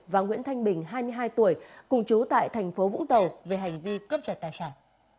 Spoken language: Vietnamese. và nguyễn thanh bình hai mươi hai tuổi cùng chú tại thành phố vũng tàu về hành vi cướp giật tài sản